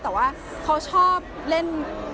แต่ว่าเขาชอบเล่น